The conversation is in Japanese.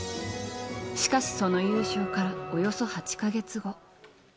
しかし、その優勝からおよそ８か月後。